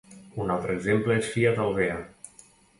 Un altra exemple és Fiat Albea.